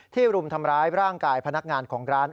รุมทำร้ายร่างกายพนักงานของร้าน